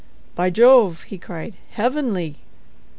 "By Jove!" he cried, "heavenly!"